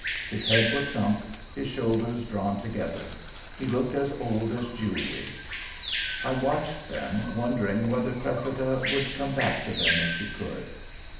His head was sunk, his shoulders drawn together; he looked as old as Jewry. I watched them, wondering whether Cressida would come back to them if she could.